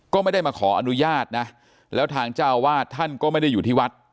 ก็ไม่ได้มาขออนุญาตนะแล้วทางเจ้าวาดท่านก็ไม่ได้อยู่ที่วัด